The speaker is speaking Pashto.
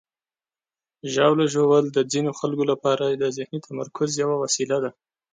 ژاوله ژوول د ځینو خلکو لپاره د ذهني تمرکز یوه وسیله ده.